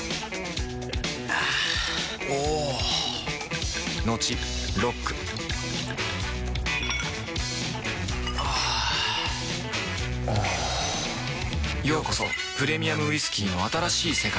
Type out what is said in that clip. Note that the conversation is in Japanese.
あぁおぉトクトクあぁおぉようこそプレミアムウイスキーの新しい世界へ